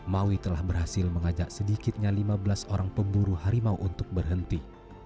maui telah berhasil mengajak sedikitnya lima belas orang pemburu harimau untuk berhenti